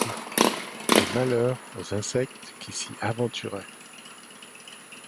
Et malheur aux insectes qui s’y aventuraient